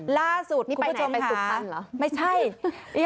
ล่าสุดคุณผู้ชมหานี่ไปไหนไปสุพรรณหรือ